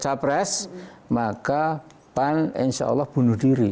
sebagai capres maka pan insyaallah bunuh diri